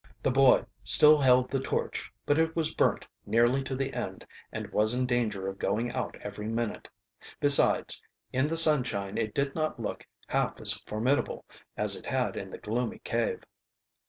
The boy still held the torch, but it was burnt nearly to the end and was in danger of going out every minute. Besides, in the sunshine it did not look half as formidable as it had in the gloomy cave.